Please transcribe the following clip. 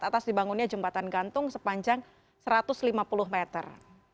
atas dibangunnya jembatan gantung sepanjang satu ratus lima puluh meter